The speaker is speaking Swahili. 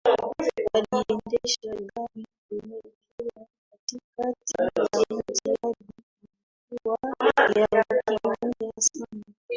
Aliendesha gari kuelekea katikati ya mji hali ilikuwa ya ukimya sana